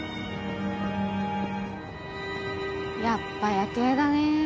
やっぱ夜景だね。